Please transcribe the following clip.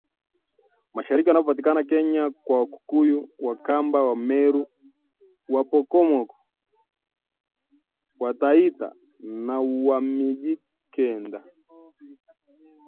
Mashariki wanaopatikana Kenya, kama Wakikuyu, Wakamba, Wameru, Wapokomo, Wataita na Wamijikenda